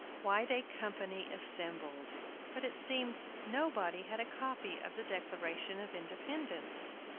'" Quite a company assembled; but it seemed nobody had a copy of the Declaration of Independence.